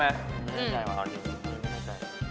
ไม่แน่ใจว่ะ